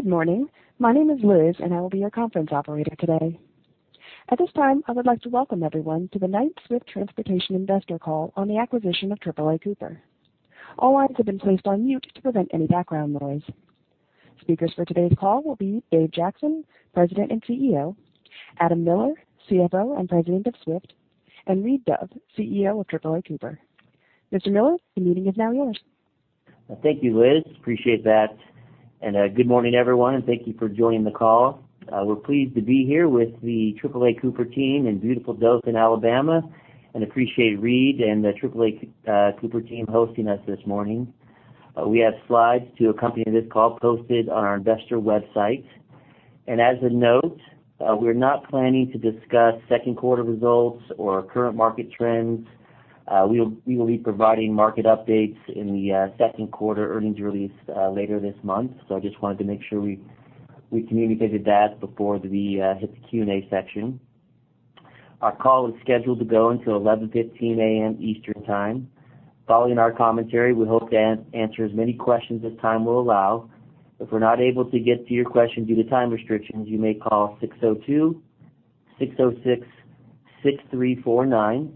Good morning. My name is Liz, and I will be your conference operator today. At this time, I would like to welcome everyone to the Knight-Swift Transportation Investor Call on the acquisition of AAA Cooper. All lines have been placed on mute to prevent any background noise. Speakers for today's call will be Dave Jackson, President and CEO, Adam Miller, CFO and President of Swift, and Reid Dove, CEO of AAA Cooper. Mr. Miller, the meeting is now yours. Thank you, Liz. Appreciate that, and good morning, everyone, and thank you for joining the call. We're pleased to be here with the AAA Cooper team in beautiful Dothan, Alabama, and appreciate Reid and the AAA Cooper team hosting us this morning. We have slides to accompany this call posted on our investor website, and as a note, we're not planning to discuss second quarter results or current market trends. We will be providing market updates in the second quarter earnings release later this month, so I just wanted to make sure we communicated that before we hit the Q&A section. Our call is scheduled to go until 11:15 A.M. Eastern Time. Following our commentary, we hope to answer as many questions as time will allow. If we're not able to get to your question due to time restrictions, you may call 602-606-6349.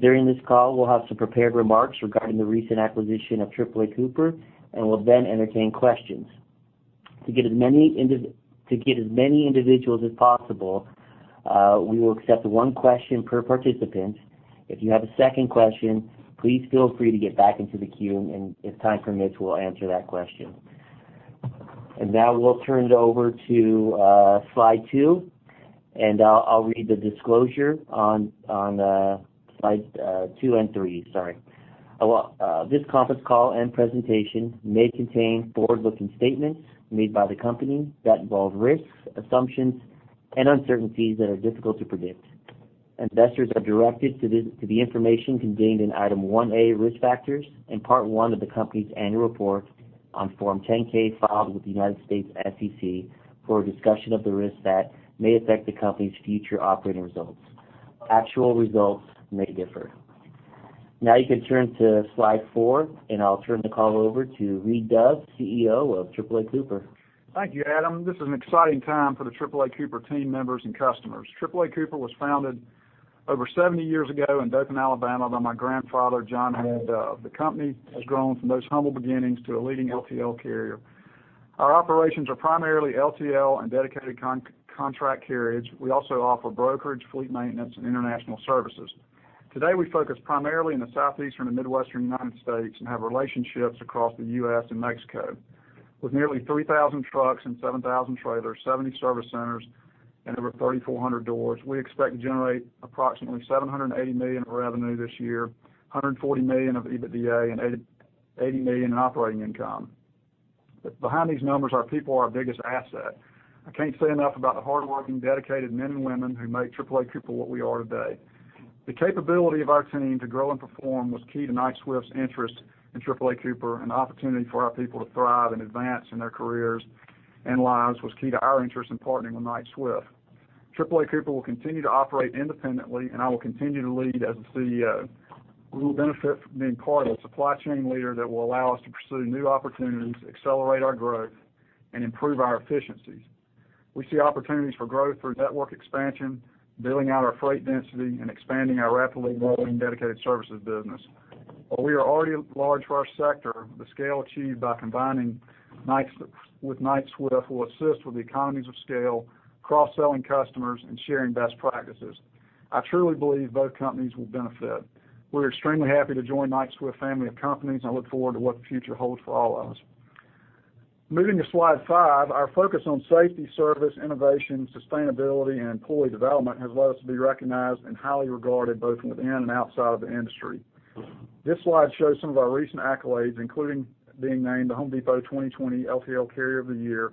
During this call, we'll have some prepared remarks regarding the recent acquisition of AAA Cooper, and we'll then entertain questions. To get as many individuals as possible, we will accept one question per participant. If you have a second question, please feel free to get back into the queue, and if time permits, we'll answer that question, and now we'll turn it over to Slide 2, and I'll read the disclosure on Slide 2 and 3, sorry. This conference call and presentation may contain forward-looking statements made by the company that involve risks, assumptions, and uncertainties that are difficult to predict. Investors are directed to the information contained in Item 1A, Risk Factors, and Part I of the company's annual report on Form 10-K, filed with the US SEC for a discussion of the risks that may affect the company's future operating results. Actual results may differ. Now you can turn to Slide 4, and I'll turn the call over to Reid Dove, CEO of AAA Cooper. Thank you, Adam. This is an exciting time for the AAA Cooper team members and customers. AAA Cooper was founded over 70 years ago in Dothan, Alabama, by my grandfather, John A. Dove. The company has grown from those humble beginnings to a leading LTL carrier. Our operations are primarily LTL and dedicated contract carriage. We also offer brokerage, fleet maintenance, and international services. Today, we focus primarily in the Southeastern and Midwestern United States and have relationships across the U.S. and Mexico. With nearly 3,000 trucks and 7,000 trailers, 70 service centers, and over 3,400 doors, we expect to generate approximately $780 million in revenue this year, $140 million of EBITDA, and $80 million in operating income. But behind these numbers, our people are our biggest asset. I can't say enough about the hardworking, dedicated men and women who make AAA Cooper what we are today. The capability of our team to grow and perform was key to Knight-Swift's interest in AAA Cooper, and the opportunity for our people to thrive and advance in their careers and lives was key to our interest in partnering with Knight-Swift. AAA Cooper will continue to operate independently, and I will continue to lead as the CEO. We will benefit from being part of a supply chain leader that will allow us to pursue new opportunities, accelerate our growth, and improve our efficiencies. We see opportunities for growth through network expansion, building out our freight density, and expanding our rapidly growing dedicated services business. While we are already large for our sector, the scale achieved by combining Knight's with Knight-Swift will assist with the economies of scale, cross-selling customers, and sharing best practices. I truly believe both companies will benefit. We're extremely happy to join Knight-Swift family of companies, and I look forward to what the future holds for all of us. Moving to Slide 5, our focus on safety, service, innovation, sustainability, and employee development has led us to be recognized and highly regarded both within and outside of the industry. This slide shows some of our recent accolades, including being named The Home Depot 2020 LTL Carrier of the Year.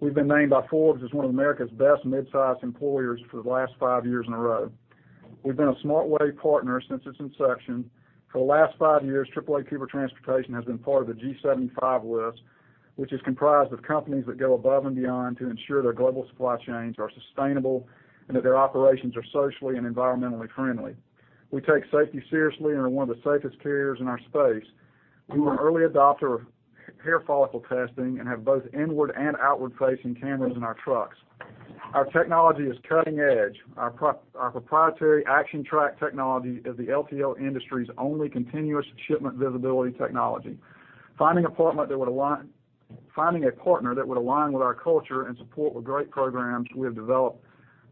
We've been named by Forbes as one of America's best mid-sized employers for the last five years in a row. We've been a SmartWay partner since its inception. For the last five years, AAA Cooper Transportation has been part of the G75 list, which is comprised of companies that go above and beyond to ensure their global supply chains are sustainable and that their operations are socially and environmentally friendly. We take safety seriously and are one of the safest carriers in our space. We were an early adopter of hair follicle testing and have both inward and outward-facing cameras in our trucks. Our technology is cutting-edge. Our proprietary ActionTRAK technology is the LTL industry's only continuous shipment visibility technology. Finding a partner that would align with our culture and support the great programs we have developed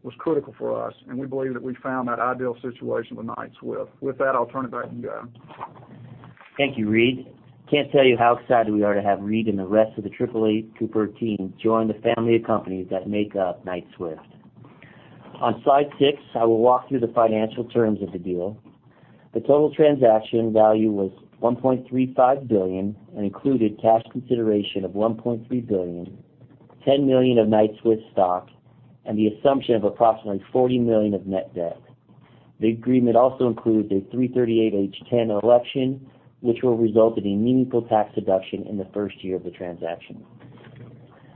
was critical for us, and we believe that we found that ideal situation with Knight-Swift. With that, I'll turn it back to you, Adam. Thank you, Reid. Can't tell you how excited we are to have Reid and the rest of the AAA Cooper team join the family of companies that make up Knight-Swift. On Slide 6, I will walk through the financial terms of the deal. The total transaction value was $1.35 billion and included cash consideration of $1.3 billion, $10 million of Knight-Swift stock, and the assumption of approximately $40 million of net debt. The agreement also includes a 338(h)(10) election, which will result in a meaningful tax deduction in the first year of the transaction.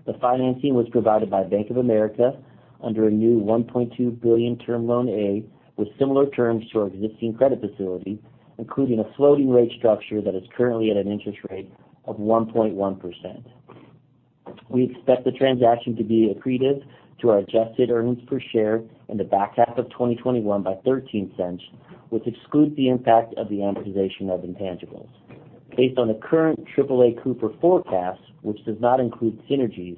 The financing was provided by Bank of America under a new $1.2 billion Term Loan A, with similar terms to our existing credit facility, including a floating rate structure that is currently at an interest rate of 1.1%. We expect the transaction to be accretive to our adjusted earnings per share in the back half of 2021 by $0.13, which excludes the impact of the amortization of intangibles. Based on the current AAA Cooper forecast, which does not include synergies,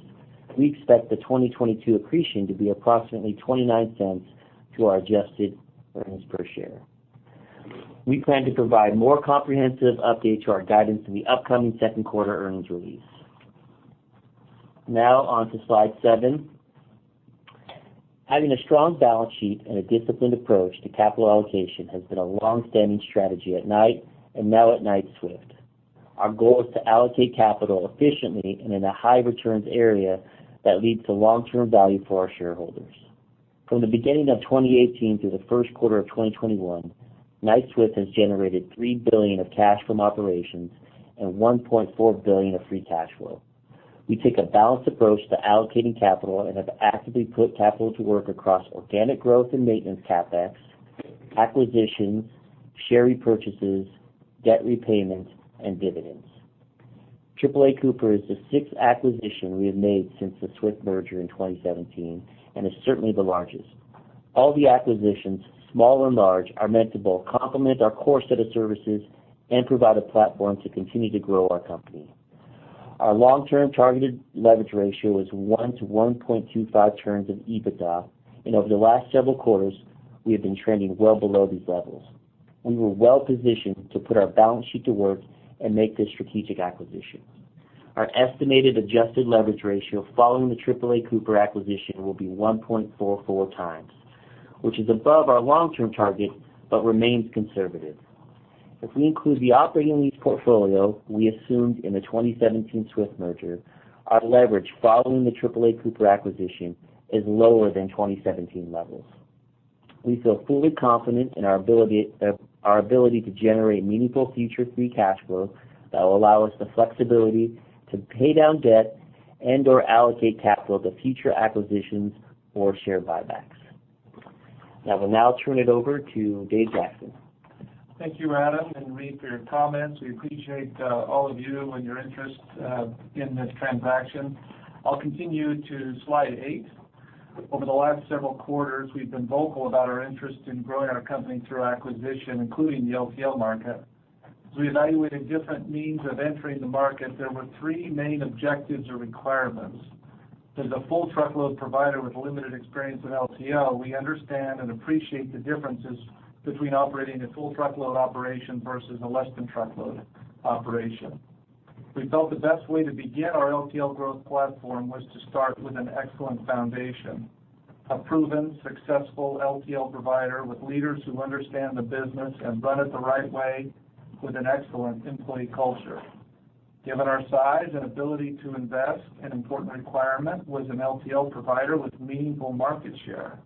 we expect the 2022 accretion to be approximately $0.29 to our adjusted earnings per share. We plan to provide more comprehensive update to our guidance in the upcoming second quarter earnings release. Now on to Slide 7. Having a strong balance sheet and a disciplined approach to capital allocation has been a long-standing strategy at Knight and now at Knight-Swift. Our goal is to allocate capital efficiently and in a high returns area that leads to long-term value for our shareholders. From the beginning of 2018 through the first quarter of 2021, Knight-Swift has generated $3 billion of cash from operations and $1.4 billion of free cash flow. We take a balanced approach to allocating capital and have actively put capital to work across organic growth and maintenance CapEx, acquisitions, share repurchases, debt repayment, and dividends. AAA Cooper is the sixth acquisition we have made since the Swift merger in 2017, and is certainly the largest. All the acquisitions, small or large, are meant to both complement our core set of services and provide a platform to continue to grow our company. Our long-term targeted leverage ratio is 1-1.25 turns of EBITDA, and over the last several quarters, we have been trending well below these levels. We were well positioned to put our balance sheet to work and make this strategic acquisition. Our estimated adjusted leverage ratio following the AAA Cooper acquisition will be 1.44 times, which is above our long-term target, but remains conservative. If we include the operating lease portfolio we assumed in the 2017 Swift merger, our leverage following the AAA Cooper acquisition is lower than 2017 levels. We feel fully confident in our ability to generate meaningful future free cash flow that will allow us the flexibility to pay down debt and/or allocate capital to future acquisitions or share buybacks. I will now turn it over to Dave Jackson. Thank you, Adam and Reid, for your comments. We appreciate all of you and your interest in this transaction. I'll continue to Slide 8. Over the last several quarters, we've been vocal about our interest in growing our company through acquisition, including the LTL market. As we evaluated different means of entering the market, there were three main objectives or requirements. As a full truckload provider with limited experience in LTL, we understand and appreciate the differences between operating a full truckload operation versus a less than truckload operation. We felt the best way to begin our LTL growth platform was to start with an excellent foundation, a proven, successful LTL provider with leaders who understand the business and run it the right way with an excellent employee culture. Given our size and ability to invest, an important requirement was an LTL provider with meaningful market share.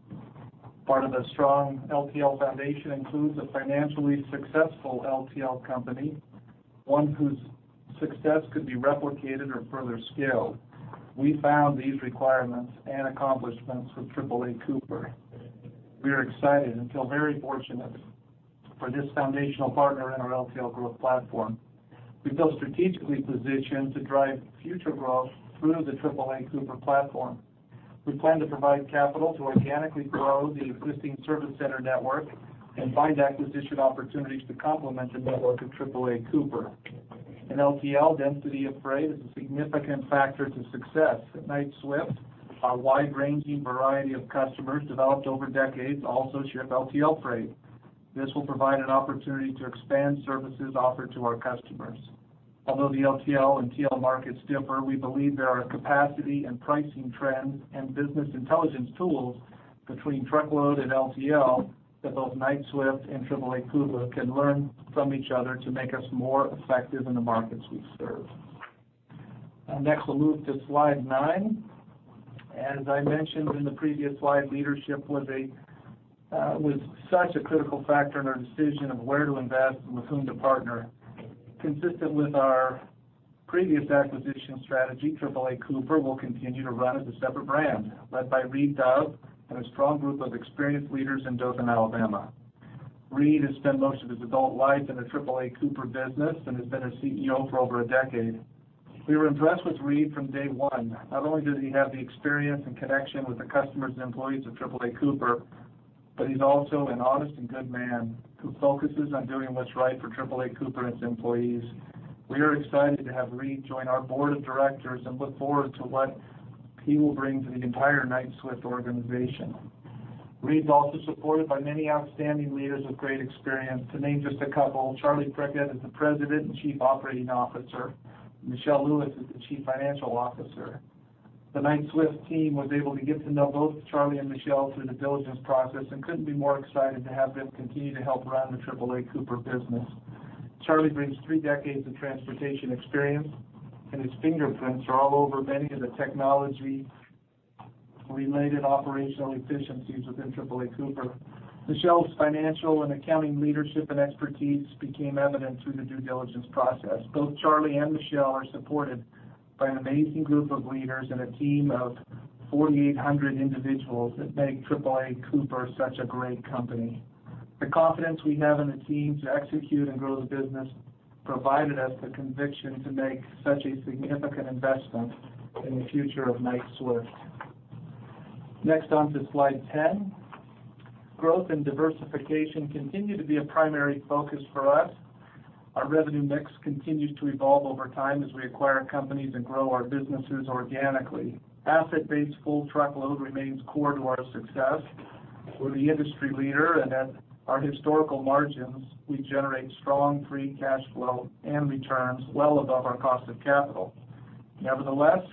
Part of a strong LTL foundation includes a financially successful LTL company, one whose success could be replicated or further scaled. We found these requirements and accomplishments with AAA Cooper. We are excited and feel very fortunate for this foundational partner in our LTL growth platform. We feel strategically positioned to drive future growth through the AAA Cooper platform. We plan to provide capital to organically grow the existing service center network and find acquisition opportunities to complement the network of AAA Cooper. In LTL, density of freight is a significant factor to success. At Knight-Swift, our wide-ranging variety of customers, developed over decades, also ship LTL freight. This will provide an opportunity to expand services offered to our customers. Although the LTL and TL markets differ, we believe there are capacity and pricing trends and business intelligence tools between truckload and LTL that both Knight-Swift and AAA Cooper can learn from each other to make us more effective in the markets we serve. Next, we'll move to Slide 9. As I mentioned in the previous slide, leadership was a such a critical factor in our decision of where to invest and with whom to partner. Consistent with our previous acquisition strategy, AAA Cooper will continue to run as a separate brand, led by Reid Dove and a strong group of experienced leaders in Dothan, Alabama. Reid has spent most of his adult life in the AAA Cooper business and has been its CEO for over a decade. We were impressed with Reid from day one. Not only does he have the experience and connection with the customers and employees of AAA Cooper, but he's also an honest and good man, who focuses on doing what's right for AAA Cooper and its employees. We are excited to have Reid join our board of directors and look forward to what he will bring to the entire Knight-Swift organization. Reid is also supported by many outstanding leaders with great experience. To name just a couple, Charlie Prickett is the President and Chief Operating Officer, and Michelle Lewis is the Chief Financial Officer. The Knight-Swift team was able to get to know both Charlie and Michelle through the diligence process and couldn't be more excited to have them continue to help run the AAA Cooper business. Charlie brings three decades of transportation experience, and his fingerprints are all over many of the technology-related operational efficiencies within AAA Cooper. Michelle's financial and accounting leadership and expertise became evident through the due diligence process. Both Charlie and Michelle are supported by an amazing group of leaders and a team of 4,800 individuals that make AAA Cooper such a great company. The confidence we have in the team to execute and grow the business provided us the conviction to make such a significant investment in the future of Knight-Swift. Next, on to Slide 10. Growth and diversification continue to be a primary focus for us. Our revenue mix continues to evolve over time as we acquire companies and grow our businesses organically. Asset-based full truckload remains core to our success. We're the industry leader, and at our historical margins, we generate strong free cash flow and returns well above our cost of capital. Nevertheless,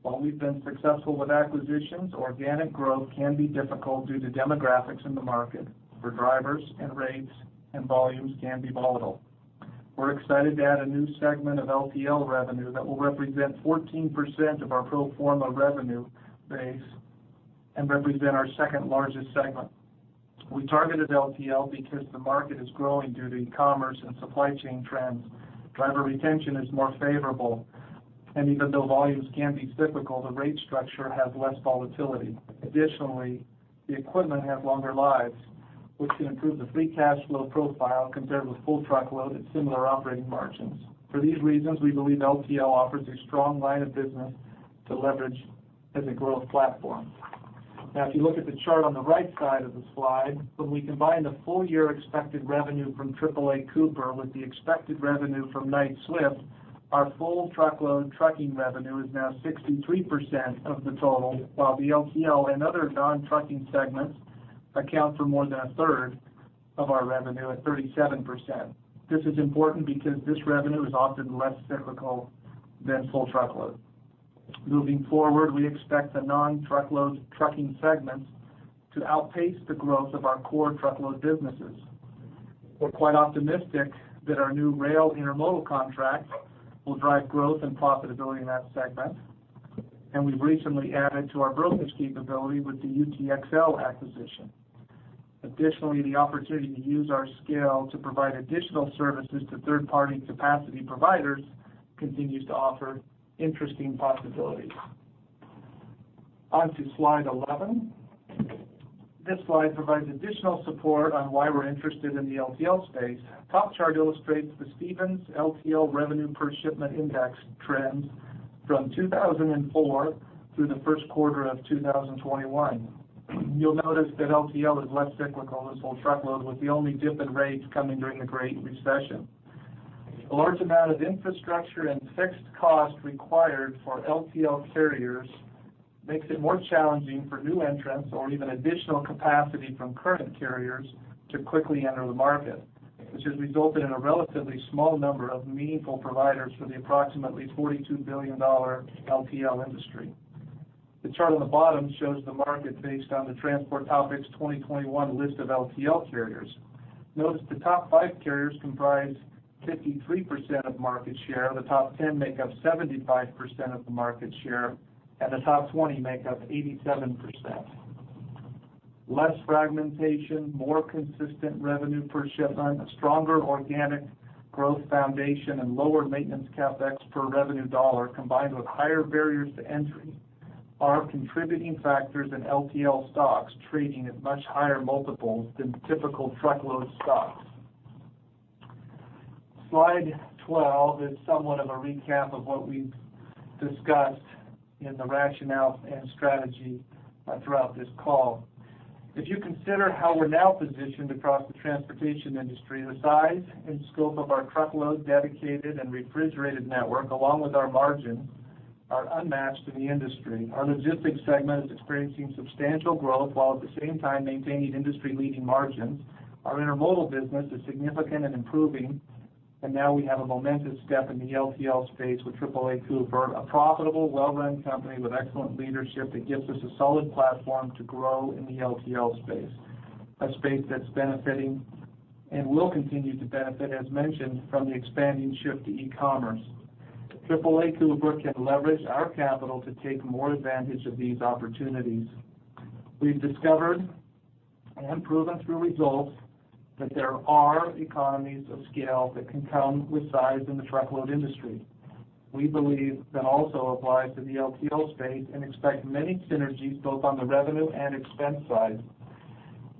while we've been successful with acquisitions, organic growth can be difficult due to demographics in the market, where drivers and rates and volumes can be volatile. We're excited to add a new segment of LTL revenue that will represent 14% of our pro forma revenue base and represent our second-largest segment. We targeted LTL because the market is growing due to e-commerce and supply chain trends. Driver retention is more favorable, and even though volumes can be cyclical, the rate structure has less volatility. Additionally, the equipment has longer lives, which can improve the free cash flow profile compared with full truckload at similar operating margins. For these reasons, we believe LTL offers a strong line of business to leverage as a growth platform. Now, if you look at the chart on the right side of the slide, when we combine the full year expected revenue from AAA Cooper with the expected revenue from Knight-Swift, our full truckload trucking revenue is now 63% of the total, while the LTL and other non-trucking segments account for more than a third of our revenue at 37%. This is important because this revenue is often less cyclical than full truckload. Moving forward, we expect the non-truckload trucking segments to outpace the growth of our core truckload businesses. We're quite optimistic that our new rail intermodal contracts will drive growth and profitability in that segment, and we've recently added to our brokerage capability with the UTXL acquisition. Additionally, the opportunity to use our scale to provide additional services to third-party capacity providers continues to offer interesting possibilities. On to Slide 11. This slide provides additional support on why we're interested in the LTL space. Top chart illustrates the Stevens LTL Revenue Per Shipment Index trends from 2004 through the first quarter of 2021. You'll notice that LTL is less cyclical as full truckload, with the only dip in rates coming during the Great Recession. A large amount of infrastructure and fixed costs required for LTL carriers makes it more challenging for new entrants or even additional capacity from current carriers to quickly enter the market, which has resulted in a relatively small number of meaningful providers for the approximately $42 billion LTL industry. The chart on the bottom shows the market based on the Transport Topics 2021 list of LTL carriers. Notice the top five carriers comprise 53% of market share, the top ten make up 75% of the market share, and the top twenty make up 87%. Less fragmentation, more consistent revenue per shipment, a stronger organic growth foundation, and lower maintenance CapEx per revenue dollar, combined with higher barriers to entry, are contributing factors in LTL stocks trading at much higher multiples than typical truckload stocks. Slide 12 is somewhat of a recap of what we've discussed in the rationale and strategy throughout this call. If you consider how we're now positioned across the transportation industry, the size and scope of our truckload, dedicated, and refrigerated network, along with our margins, are unmatched in the industry. Our logistics segment is experiencing substantial growth, while at the same time maintaining industry-leading margins. Our intermodal business is significant and improving, and now we have a momentous step in the LTL space with AAA Cooper, a profitable, well-run company with excellent leadership that gives us a solid platform to grow in the LTL space, a space that's benefiting and will continue to benefit, as mentioned, from the expanding shift to e-commerce. AAA Cooper can leverage our capital to take more advantage of these opportunities. We've discovered and proven through results that there are economies of scale that can come with size in the truckload industry. We believe that also applies to the LTL space and expect many synergies both on the revenue and expense side.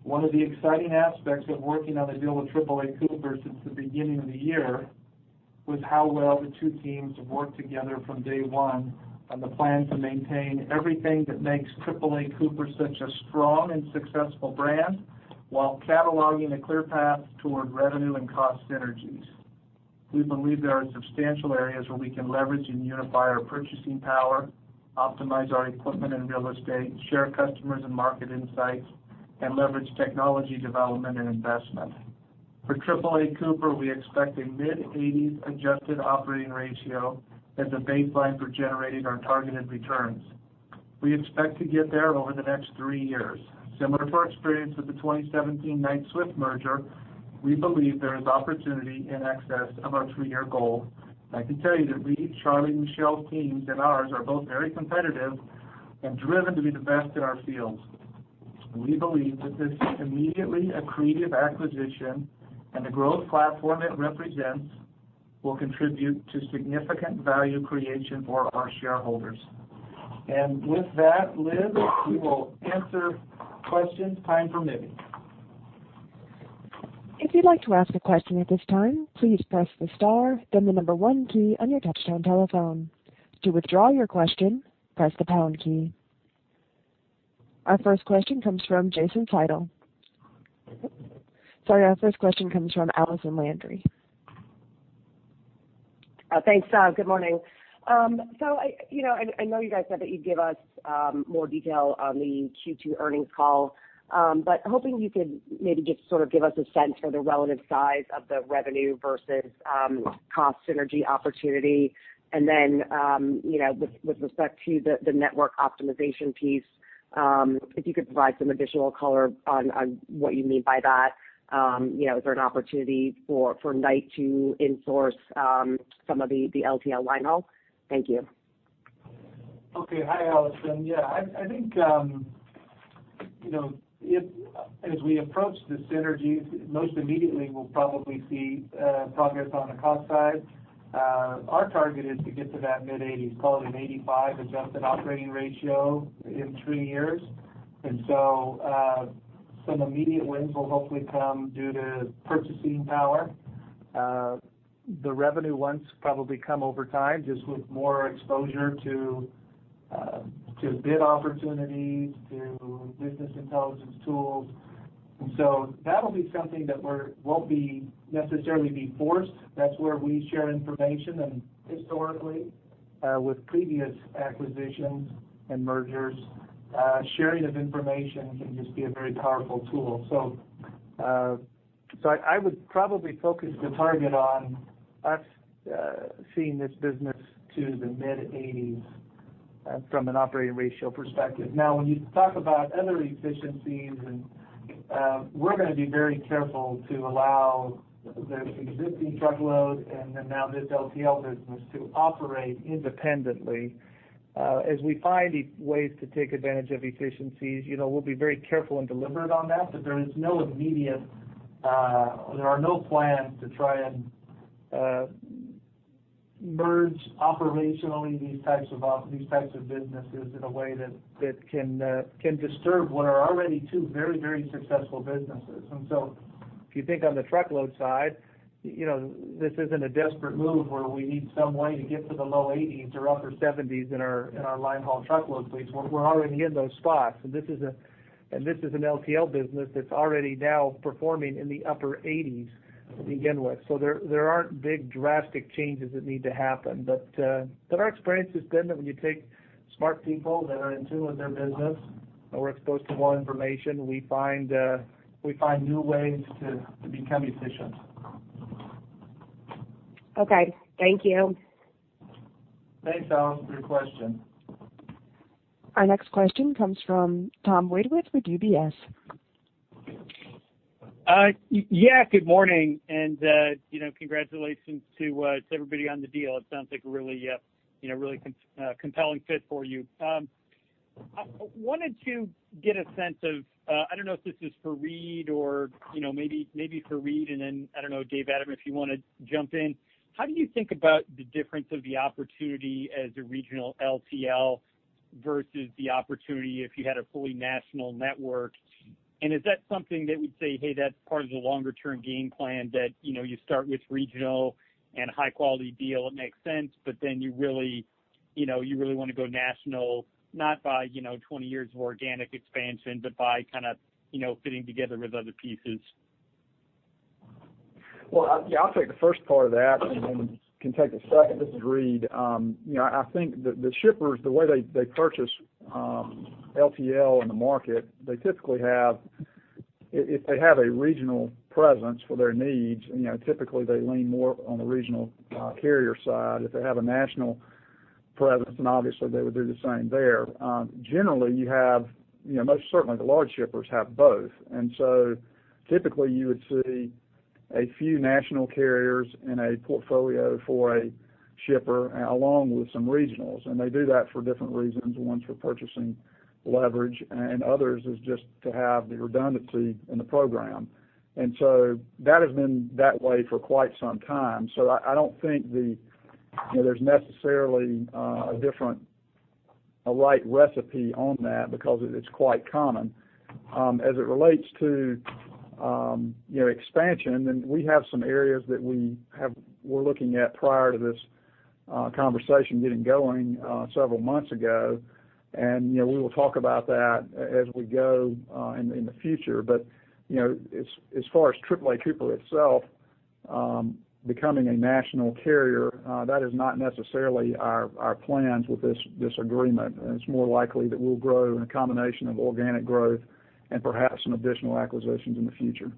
One of the exciting aspects of working on the deal with AAA Cooper since the beginning of the year was how well the two teams have worked together from day one on the plan to maintain everything that makes AAA Cooper such a strong and successful brand, while cataloging a clear path toward revenue and cost synergies. We believe there are substantial areas where we can leverage and unify our purchasing power, optimize our equipment and real estate, share customers and market insights, and leverage technology development and investment. For AAA Cooper, we expect a mid-eighties adjusted operating ratio as a baseline for generating our targeted returns. We expect to get there over the next three years. Similar to our experience with the 2017 Knight-Swift merger, we believe there is opportunity in excess of our three-year goal. I can tell you that we, Charlie and Michelle's teams and ours, are both very competitive and driven to be the best in our fields. We believe that this is immediately accretive acquisition and the growth platform it represents will contribute to significant value creation for our shareholders... and with that, Liz, we will answer questions, time permitting. If you'd like to ask a question at this time, please press the star, then the number one key on your touchtone telephone. To withdraw your question, press the pound key. Our first question comes from Jason Seidl. Sorry, our first question comes from Allison Landry. Thanks. Good morning. So I, you know, and I know you guys said that you'd give us more detail on the Q2 earnings call, but hoping you could maybe just sort of give us a sense for the relative size of the revenue versus cost synergy opportunity. And then, you know, with respect to the network optimization piece, if you could provide some additional color on what you mean by that. You know, is there an opportunity for Knight to in-source some of the LTL line haul? Thank you. Okay. Hi, Allison. Yeah, I think, you know, if as we approach the synergies, most immediately, we'll probably see progress on the cost side. Our target is to get to that mid-eighties, call it an eighty five adjusted operating ratio in three years. And so, some immediate wins will hopefully come due to purchasing power. The revenue ones probably come over time, just with more exposure to, to bid opportunities, to business intelligence tools. And so that'll be something that won't be necessarily forced. That's where we share information, and historically, with previous acquisitions and mergers, sharing of information can just be a very powerful tool. So, so I would probably focus the target on us seeing this business to the mid-eighties, from an operating ratio perspective. Now, when you talk about other efficiencies, and we're gonna be very careful to allow the existing truckload and then now this LTL business to operate independently. As we find ways to take advantage of efficiencies, you know, we'll be very careful and deliberate on that, but there is no immediate, there are no plans to try and merge operationally these types of businesses in a way that can disturb what are already two very, very successful businesses. And so if you think on the truckload side, you know, this isn't a desperate move where we need some way to get to the low 80s% or upper 70s% in our line haul truckload space. We're already in those spots, and this is an LTL business that's already now performing in the upper eighties to begin with. So there aren't big drastic changes that need to happen. But, but our experience has been that when you take smart people that are in tune with their business, and we're exposed to more information, we find, we find new ways to, to become efficient. Okay. Thank you. Thanks, Allison, for your question. Our next question comes from Tom Wadewitz with UBS. Yeah, good morning, and, you know, congratulations to everybody on the deal. It sounds like a really, you know, really compelling fit for you. I wanted to get a sense of, I don't know if this is for Reid or, you know, maybe, maybe for Reid, and then I don't know, Dave, Adam, if you wanna jump in. How do you think about the difference of the opportunity as a regional LTL versus the opportunity if you had a fully national network? Is that something that we'd say, "Hey, that's part of the longer term game plan," that, you know, you start with regional and high quality deal, it makes sense, but then you really, you know, you really want to go national, not by, you know, twenty years of organic expansion, but by kind of, you know, fitting together with other pieces? Well, yeah, I'll take the first part of that and then can take the second. This is Reid. You know, I think the shippers, the way they purchase LTL in the market, they typically have... if they have a regional presence for their needs, you know, typically they lean more on the regional carrier side if they have a national presence, and obviously, they would do the same there. Generally, you have, you know, most certainly the large shippers have both, and so typically, you would see a few national carriers in a portfolio for a shipper, along with some regionals, and they do that for different reasons, one's for purchasing leverage and others is just to have the redundancy in the program. And so that has been that way for quite some time. So I don't think the, you know, there's necessarily a different right recipe on that because it's quite common. As it relates to, you know, expansion, and we have some areas that we're looking at prior to this conversation getting going, several months ago, and, you know, we will talk about that as we go, in the future. But, you know, as far as AAA Cooper itself, becoming a national carrier, that is not necessarily our plans with this agreement. It's more likely that we'll grow in a combination of organic growth and perhaps some additional acquisitions in the future.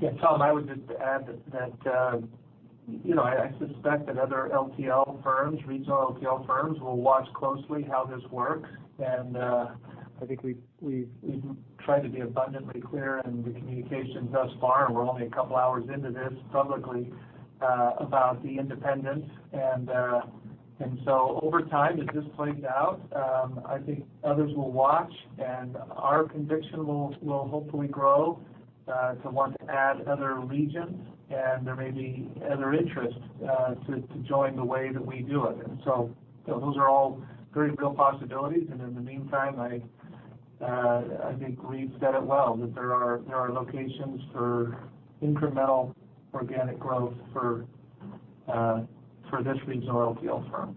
Yeah, Tom, I would just add that, you know, I suspect that other LTL firms, regional LTL firms, will watch closely how this works, and I think we've tried to be abundantly clear in the communication thus far, and we're only a couple of hours into this publicly, about the independence. And so over time, as this plays out, I think others will watch, and our conviction will hopefully grow, to want to add other regions, and there may be other interest, to join the way that we do it. And so, you know, those are all very real possibilities. And in the meantime, I think Reid said it well, that there are locations for incremental organic growth for this regional LTL firm.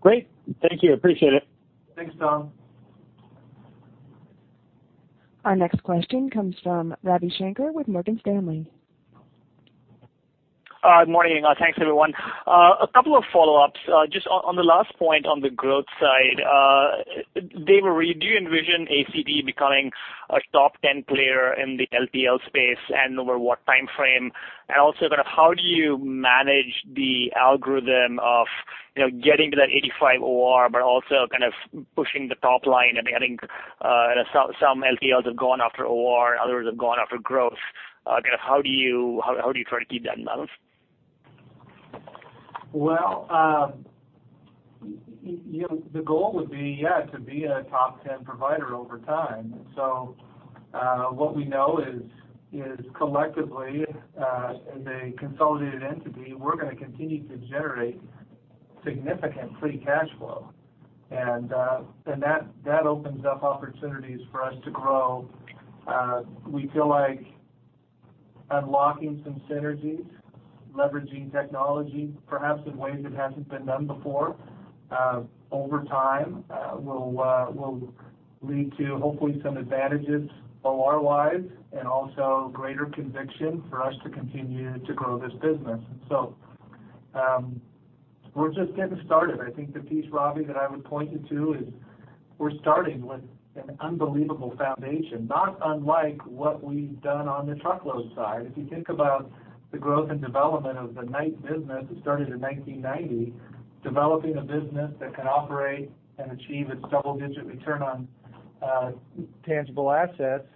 Great! Thank you. I appreciate it. Thanks, Tom. Our next question comes from Ravi Shanker with Morgan Stanley. Good morning. Thanks, everyone. A couple of follow-ups. Just on the last point on the growth side, Dave or Reid, do you envision AAA becoming a top 10 player in the LTL space, and over what time frame? And also, kind of how do you manage the algorithm of, you know, getting to that 85 OR, but also kind of pushing the top line? I mean, I think some LTLs have gone after OR, others have gone after growth. Kind of how do you try to keep that in balance? You know, the goal would be, yeah, to be a top ten provider over time. So, what we know is collectively, as a consolidated entity, we're going to continue to generate significant free cash flow. And that opens up opportunities for us to grow. We feel like unlocking some synergies, leveraging technology, perhaps in ways it hasn't been done before, over time will lead to hopefully some advantages OR-wise, and also greater conviction for us to continue to grow this business. So, we're just getting started. I think the piece, Ravi, that I would point you to is we're starting with an unbelievable foundation, not unlike what we've done on the truckload side. If you think about the growth and development of the Knight business, it started in 1990, developing a business that can operate and achieve its double-digit return on tangible assets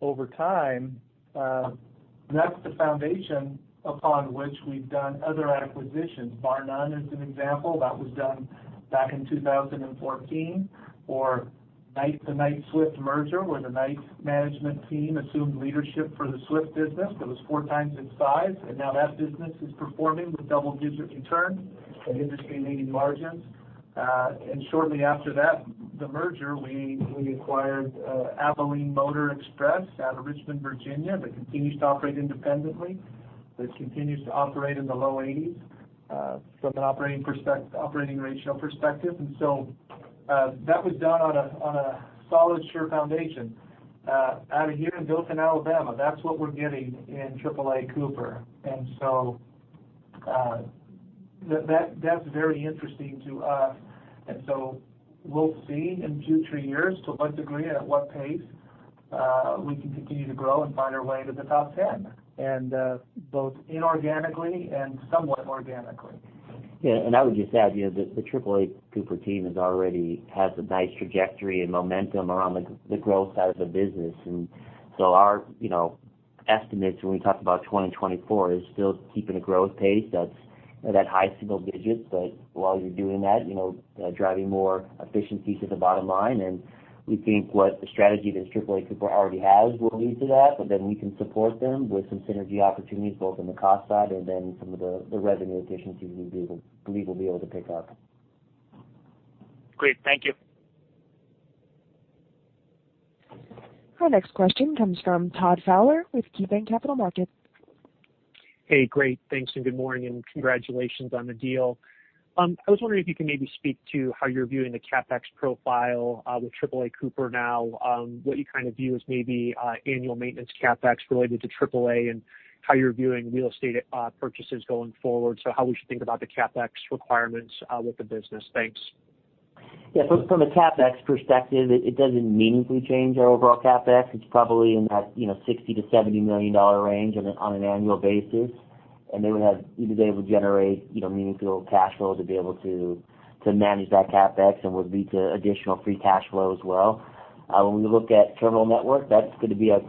over time. That's the foundation upon which we've done other acquisitions. Barr-Nunn is an example. That was done back in 2014, the Knight-Swift merger, where the Knight management team assumed leadership for the Swift business that was four times its size, and now that business is performing with double-digit returns and industry-leading margins. And shortly after that merger, we acquired Abilene Motor Express out of Richmond, Virginia, that continues to operate independently in the low 80s from an operating ratio perspective. And so that was done on a solid, sure foundation out of here in Dothan, Alabama. That's what we're getting in AAA Cooper. And so, that, that's very interesting to us. And so we'll see in two, three years to what degree and at what pace, we can continue to grow and find our way to the top ten, and, both inorganically and somewhat organically. Yeah, and I would just add, you know, that the AAA Cooper team is already has a nice trajectory and momentum around the growth out of the business. And so our, you know, estimates when we talk about 2024, is still keeping a growth pace that's at high single digits. But while you're doing that, you know, driving more efficiencies to the bottom line, and we think what the strategy that AAA Cooper already has will lead to that, but then we can support them with some synergy opportunities, both on the cost side and then some of the revenue efficiencies we believe we'll be able to pick up. Great. Thank you. Our next question comes from Todd Fowler with KeyBanc Capital Markets. Hey, great, thanks, and good morning, and congratulations on the deal. I was wondering if you could maybe speak to how you're viewing the CapEx profile with AAA Cooper now, what you kind of view as maybe annual maintenance CapEx related to AAA, and how you're viewing real estate purchases going forward. So how we should think about the CapEx requirements with the business? Thanks. Yeah. From a CapEx perspective, it doesn't meaningfully change our overall CapEx. It's probably in that, you know, $60 million-$70 million range on an annual basis, and we would be able to generate, you know, meaningful cash flow to be able to manage that CapEx and would lead to additional free cash flow as well. When we look at terminal network, that's going to be a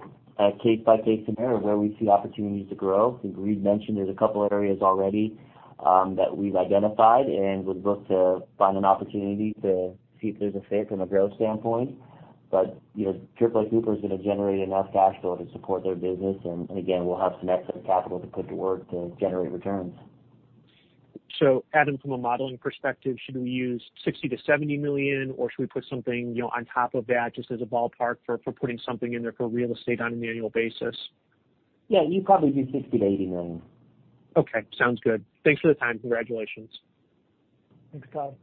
case-by-case scenario where we see opportunities to grow. I think Reid mentioned there's a couple of areas already that we've identified and would look to find an opportunity to see if there's a fit from a growth standpoint. But, you know, AAA Cooper is going to generate enough cash flow to support their business, and again, we'll have some excess capital to put to work to generate returns. Adam, from a modeling perspective, should we use $60 million-70 million, or should we put something, you know, on top of that, just as a ballpark for putting something in there for real estate on an annual basis? Yeah, you'd probably do $60 million-$80 million. Okay, sounds good. Thanks for the time. Congratulations. Thanks, Todd.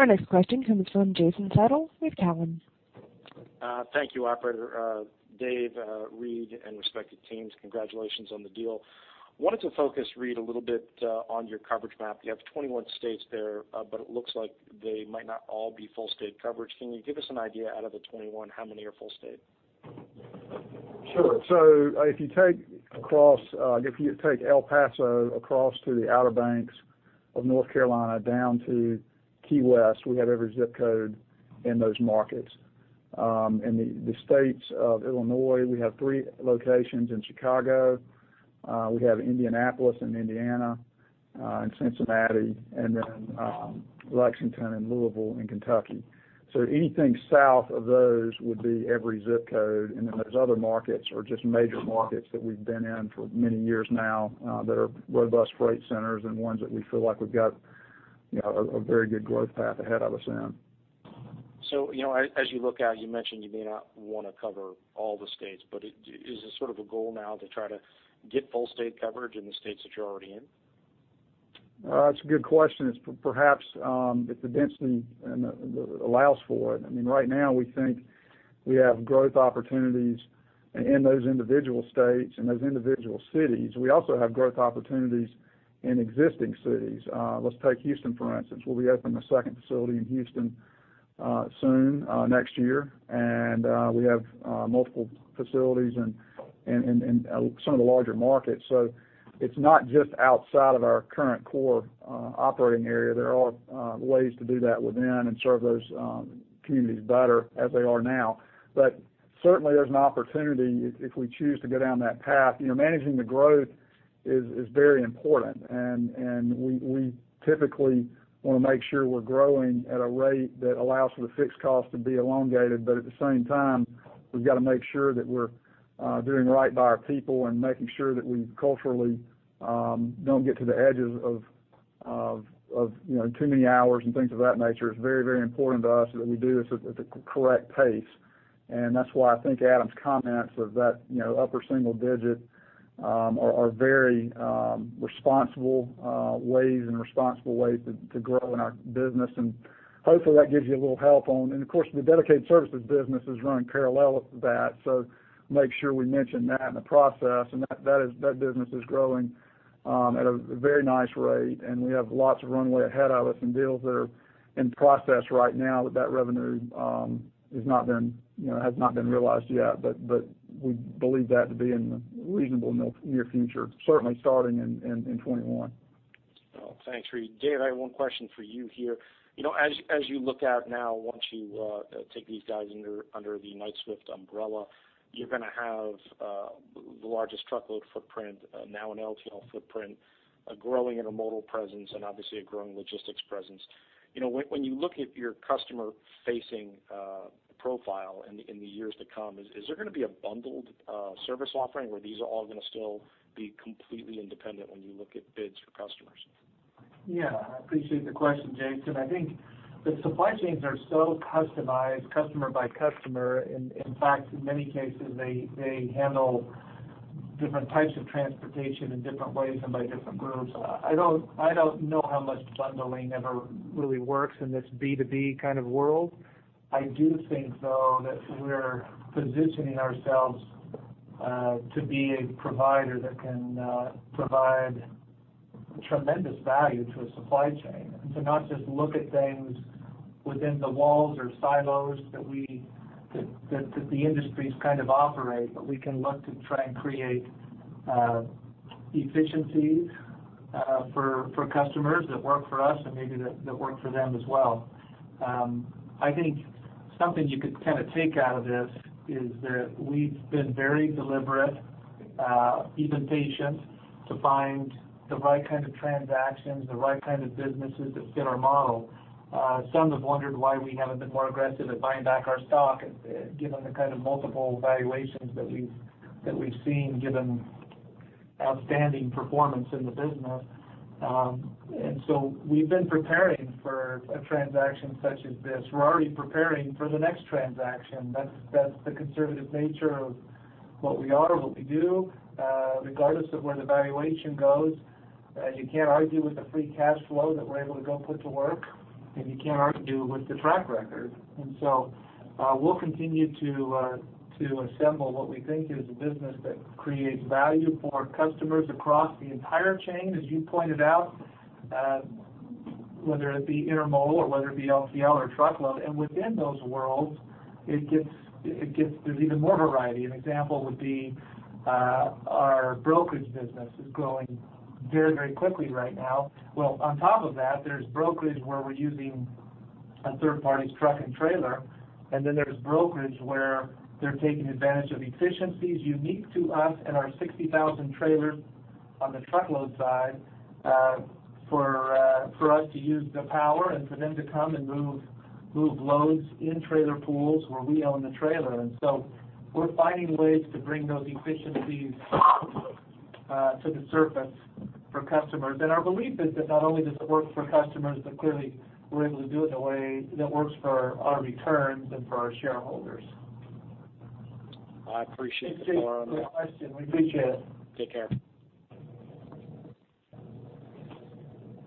Our next question comes from Jason Seidl with Cowen. Thank you, operator. Dave, Reid, and respective teams, congratulations on the deal. Wanted to focus, Reid, a little bit, on your coverage map. You have twenty-one states there, but it looks like they might not all be full state coverage. Can you give us an idea, out of the twenty-one, how many are full state? Sure. So if you take El Paso across to the Outer Banks of North Carolina, down to Key West, we have every ZIP code in those markets. In the states of Illinois, we have three locations in Chicago. We have Indianapolis in Indiana, and Cincinnati, and then, Lexington and Louisville in Kentucky. So anything south of those would be every zip code. And then there's other markets or just major markets that we've been in for many years now, that are robust freight centers and ones that we feel like we've got, you know, a very good growth path ahead of us in.... So, you know, as you look out, you mentioned you may not want to cover all the states, but is this sort of a goal now to try to get full state coverage in the states that you're already in? That's a good question. It's perhaps if the density and the allows for it. I mean, right now, we think we have growth opportunities in those individual states and those individual cities. We also have growth opportunities in existing cities. Let's take Houston, for instance. We'll be opening a second facility in Houston soon, next year. We have multiple facilities in some of the larger markets. So it's not just outside of our current core operating area. There are ways to do that within and serve those communities better as they are now. But certainly, there's an opportunity if we choose to go down that path. You know, managing the growth is very important, and we typically want to make sure we're growing at a rate that allows for the fixed cost to be elongated. But at the same time, we've got to make sure that we're doing right by our people and making sure that we culturally don't get to the edges of, you know, too many hours and things of that nature. It's very, very important to us that we do this at the correct pace. And that's why I think Adam's comments of that, you know, upper single digit are very responsible ways to grow in our business, and hopefully, that gives you a little help on. Of course, the dedicated services business is running parallel with that, so make sure we mention that in the process, and that business is growing at a very nice rate, and we have lots of runway ahead of us and deals that are in process right now that revenue has not been, you know, has not been realized yet. But we believe that to be in the reasonable near future, certainly starting in 2021. Thanks, Reid. Dave, I have one question for you here. You know, as you look out now, once you take these guys under the Knight-Swift umbrella, you're gonna have the largest truckload footprint, now an LTL footprint, a growing intermodal presence, and obviously, a growing logistics presence. You know, when you look at your customer-facing profile in the years to come, is there gonna be a bundled service offering, or these are all gonna still be completely independent when you look at bids for customers? Yeah, I appreciate the question, Jason. I think the supply chains are so customized customer by customer, and in fact, in many cases, they handle different types of transportation in different ways and by different groups. I don't know how much bundling ever really works in this B2B kind of world. I do think, though, that we're positioning ourselves to be a provider that can provide tremendous value to a supply chain, and to not just look at things within the walls or silos that the industries kind of operate, but we can look to try and create efficiencies for customers that work for us and maybe that work for them as well. I think something you could kind of take out of this is that we've been very deliberate, even patient, to find the right kind of transactions, the right kind of businesses that fit our model. Some have wondered why we haven't been more aggressive at buying back our stock, given the kind of multiple valuations that we've seen, given outstanding performance in the business. And so we've been preparing for a transaction such as this. We're already preparing for the next transaction. That's the conservative nature of what we are, what we do, regardless of where the valuation goes. You can't argue with the free cash flow that we're able to go put to work, and you can't argue with the track record. And so, we'll continue to assemble what we think is a business that creates value for customers across the entire chain, as you pointed out, whether it be intermodal or whether it be LTL or truckload. And within those worlds, there's even more variety. An example would be, our brokerage business is growing very, very quickly right now. Well, on top of that, there's brokerage where we're using a third party's truck and trailer, and then there's brokerage where they're taking advantage of efficiencies unique to us and our 60,000 trailers on the truckload side, for us to use the power and for them to come and move loads in trailer pools where we own the trailer. And so we're finding ways to bring those efficiencies to the surface for customers. Our belief is that not only does it work for customers, but clearly we're able to do it in a way that works for our returns and for our shareholders. I appreciate the follow-up on that. Good question. We appreciate it. Take care.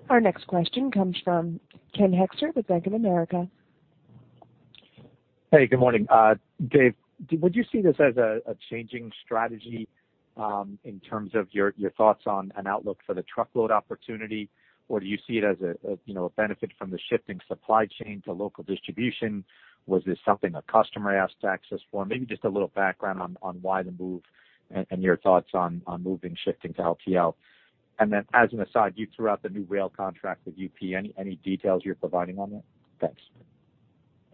Our next question comes from Ken Hoexter with Bank of America. Hey, good morning. Dave, would you see this as a changing strategy in terms of your thoughts on an outlook for the truckload opportunity? Or do you see it as a you know a benefit from the shifting supply chain to local distribution? Was this something a customer asked to access for? Maybe just a little background on why the move and your thoughts on moving, shifting to LTL. And then, as an aside, you threw out the new rail contract with UP. Any details you're providing on that? Thanks.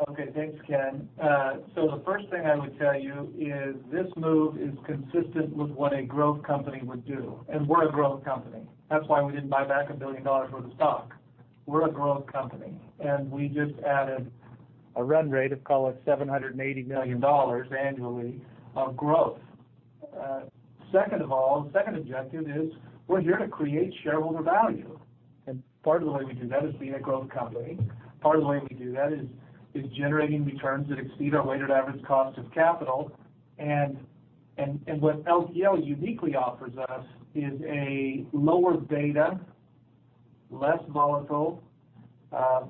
Okay. Thanks, Ken. So the first thing I would tell you is this move is consistent with what a growth company would do, and we're a growth company. That's why we didn't buy back $1 billion worth of stock. We're a growth company, and we just added a run rate of, call it, $780 million annually of growth. Second of all, second objective is we're here to create shareholder value, and part of the way we do that is being a growth company. Part of the way we do that is generating returns that exceed our weighted average cost of capital. And what LTL uniquely offers us is a lower beta, less volatile,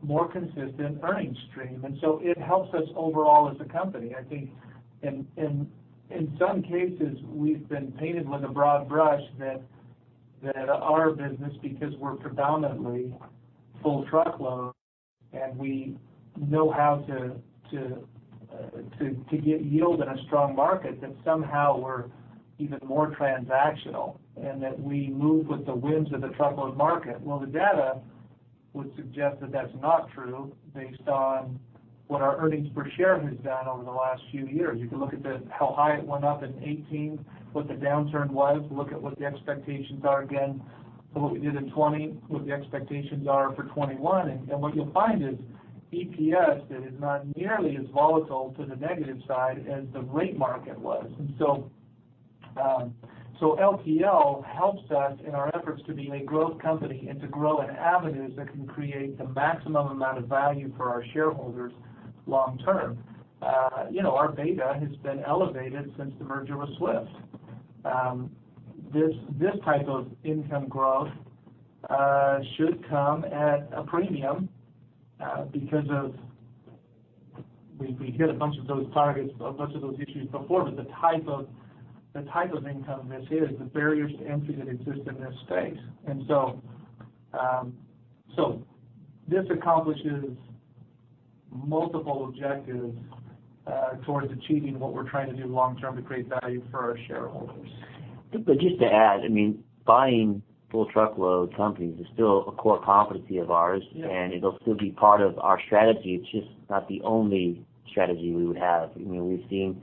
more consistent earnings stream. And so it helps us overall as a company. I think in some cases, we've been painted with a broad brush that our business, because we're predominantly full truckload, and we know how to get yield in a strong market, that somehow we're even more transactional and that we move with the whims of the truckload market. Well, the data would suggest that that's not true based on what our earnings per share has done over the last few years. You can look at how high it went up in 2018, what the downturn was, look at what the expectations are again, what we did in 2020, what the expectations are for 2021. And what you'll find is EPS is not nearly as volatile to the negative side as the rate market was. So LTL helps us in our efforts to be a growth company and to grow in avenues that can create the maximum amount of value for our shareholders long term. You know, our beta has been elevated since the merger with Swift. This type of income growth should come at a premium because of... We hit a bunch of those targets, a bunch of those issues before, but the type of income this is, the barriers to entry that exist in this space. So this accomplishes multiple objectives towards achieving what we're trying to do long term to create value for our shareholders. But just to add, I mean, buying full truckload companies is still a core competency of ours- Yeah. and it'll still be part of our strategy. It's just not the only strategy we would have. You know, we've seen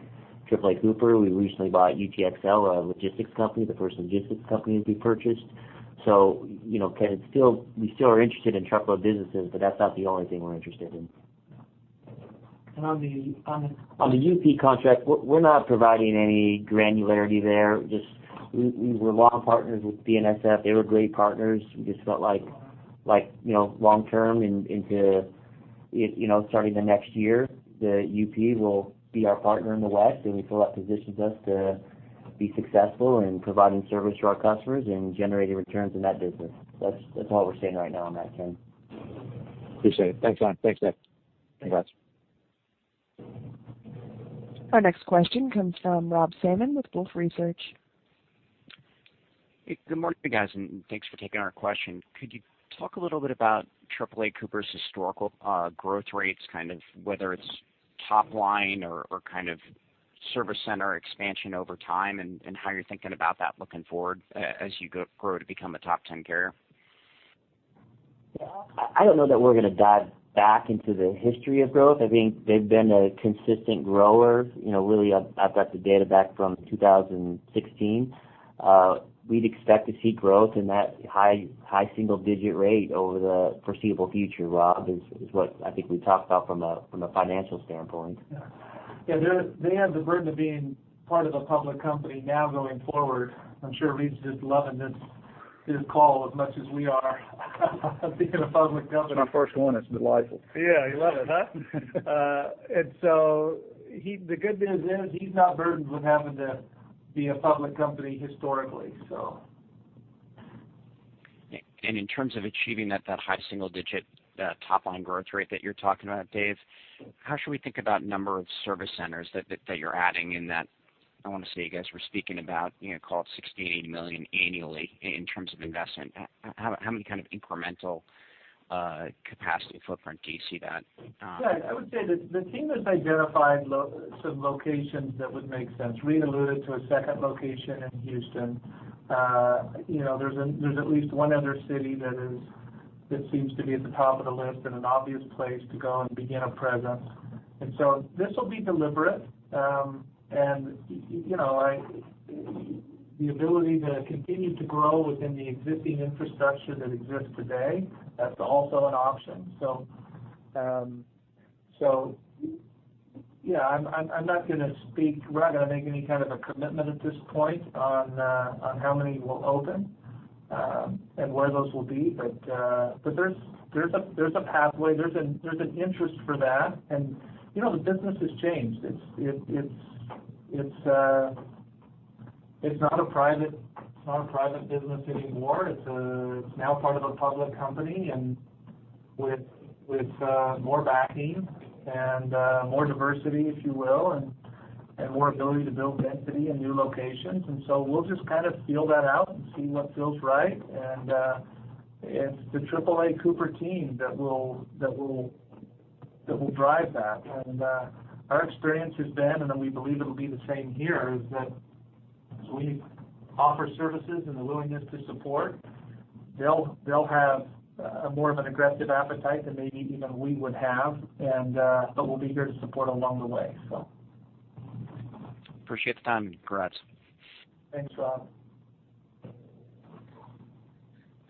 AAA Cooper. We recently bought UTXL, a logistics company, the first logistics company we purchased. So, you know, can it still. We still are interested in truckload businesses, but that's not the only thing we're interested in. And on the On the UP contract, we're not providing any granularity there. Just we were long partners with BNSF. They were great partners. We just felt like, you know, long term into, you know, starting the next year, the UP will be our partner in the West, and we feel that positions us to be successful in providing service to our customers and generating returns in that business. That's all we're saying right now on that front. Appreciate it. Thanks a lot. Thanks, Dave. Thanks. Our next question comes from Rob Salmon with Wolfe Research. Hey, good morning, guys, and thanks for taking our question. Could you talk a little bit about AAA Cooper's historical growth rates, kind of whether it's top line or kind of service center expansion over time, and how you're thinking about that looking forward, as you grow to become a top ten carrier? Yeah, I don't know that we're going to dive back into the history of growth. I think they've been a consistent grower. You know, really, I've got the data back from 2016. We'd expect to see growth in that high single digit rate over the foreseeable future, Rob, is what I think we talked about from a financial standpoint. Yeah. Yeah, they have the burden of being part of a public company now going forward. I'm sure Reid's just loving this call as much as we are, of being a public company. It's my first one. It's delightful. Yeah, you love it, huh? And so the good news is he's not burdened with having to be a public company historically, so. And in terms of achieving that, that high single digit top line growth rate that you're talking about, Dave, how should we think about number of service centers that you're adding in that? I want to say you guys were speaking about, you know, call it $60 million-$80 million annually in terms of investment. How many kind of incremental capacity footprint do you see that? Yeah, I would say that the team has identified some locations that would make sense. Reid alluded to a second location in Houston. You know, there's at least one other city that seems to be at the top of the list and an obvious place to go and begin a presence. And so this will be deliberate. And, you know, the ability to continue to grow within the existing infrastructure that exists today, that's also an option. So, yeah, I'm not going to speak. We're not going to make any kind of a commitment at this point on how many we'll open and where those will be. But, there's a pathway, there's an interest for that. And, you know, the business has changed. It's not a private business anymore. It's now part of a public company, and with more backing and more diversity, if you will, and more ability to build density in new locations. And so we'll just kind of feel that out and see what feels right. And it's the AAA Cooper team that will drive that. And our experience has been, and then we believe it'll be the same here, is that as we offer services and the willingness to support, they'll have more of an aggressive appetite than maybe even we would have, and but we'll be here to support along the way, so. Appreciate the time and congrats. Thanks, Rob.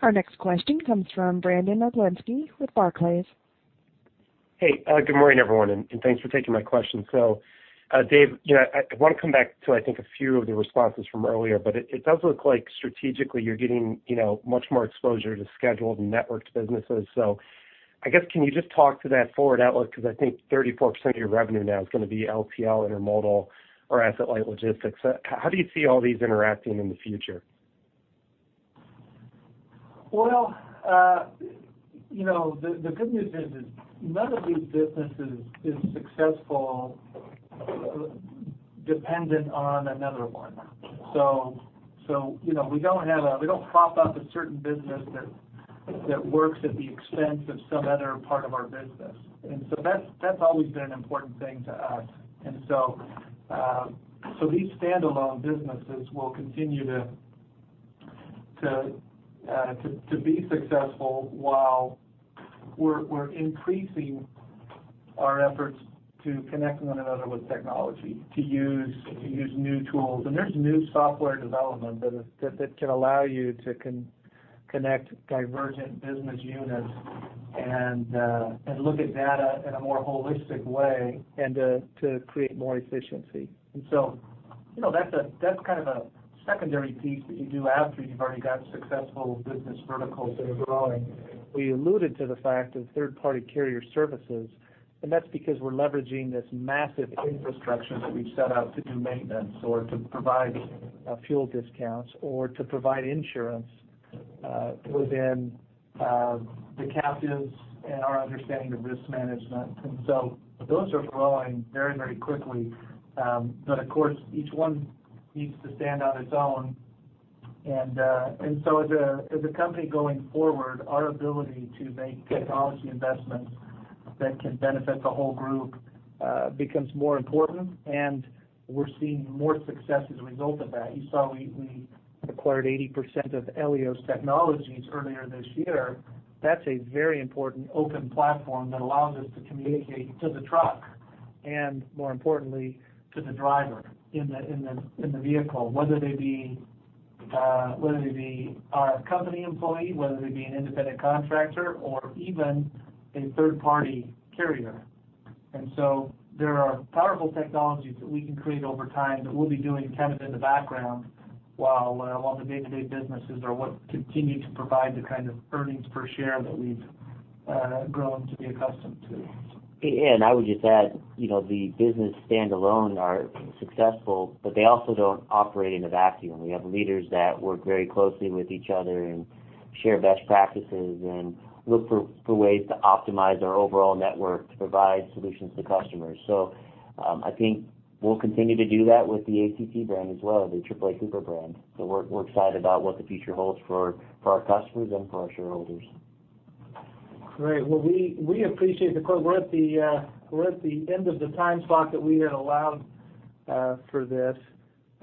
Our next question comes from Brandon Oglenski with Barclays. Hey, good morning, everyone, and thanks for taking my question. So, Dave, you know, I want to come back to, I think, a few of the responses from earlier, but it does look like strategically you're getting, you know, much more exposure to scheduled and networked businesses. So I guess, can you just talk to that forward outlook? Because I think 34% of your revenue now is gonna be LTL, intermodal, or asset-light logistics. How do you see all these interacting in the future? Well, you know, the good news is none of these businesses is successful dependent on another one. So, you know, we don't have a. We don't prop up a certain business that works at the expense of some other part of our business. And so that's always been an important thing to us. And so these standalone businesses will continue to be successful while we're increasing our efforts to connect one another with technology, to use new tools. And there's new software development that can allow you to connect divergent business units and look at data in a more holistic way and to create more efficiency. And so, you know, that's kind of a secondary piece that you do after you've already got successful business verticals that are growing. We alluded to the fact of third-party carrier services, and that's because we're leveraging this massive infrastructure that we've set out to do maintenance or to provide fuel discounts or to provide insurance within the captives and our understanding of risk management. And so those are growing very, very quickly. But of course, each one needs to stand on its own. And so as a company going forward, our ability to make technology investments that can benefit the whole group becomes more important, and we're seeing more success as a result of that. You saw we acquired 80% of Eleos Technologies earlier this year. That's a very important open platform that allows us to communicate to the truck, and more importantly, to the driver in the vehicle, whether they be our company employee, whether they be an independent contractor, or even a third-party carrier, and so there are powerful technologies that we can create over time that we'll be doing kind of in the background, while the day-to-day businesses are what continue to provide the kind of earnings per share that we've grown to be accustomed to. And I would just add, you know, the business standalone are successful, but they also don't operate in a vacuum. We have leaders that work very closely with each other and share best practices and look for ways to optimize our overall network to provide solutions to customers. So, I think we'll continue to do that with the LTL brand as well, the AAA Cooper brand. So we're excited about what the future holds for our customers and for our shareholders. Great. Well, we appreciate the call. We're at the end of the time slot that we had allowed for this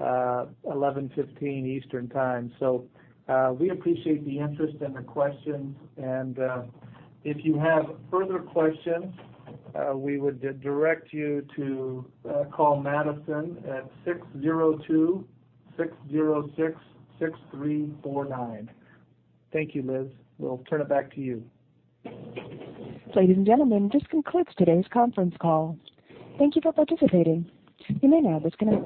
11:15 A.M. Eastern Time. So, we appreciate the interest and the questions, and if you have further questions, we would direct you to call Madison at 602-606-6349. Thank you, Liz. We'll turn it back to you. Ladies and gentlemen, this concludes today's conference call. Thank you for participating. You may now disconnect.